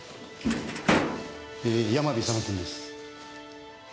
えー山部勇君です。